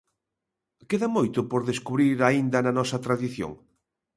Queda moito por descubrir aínda na nosa tradición?